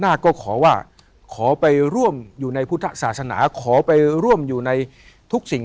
หน้าก็ขอว่าขอไปร่วมอยู่ในพุทธศาสนาขอไปร่วมอยู่ในทุกสิ่ง